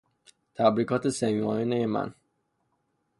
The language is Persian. تبریکات صمیمانهی من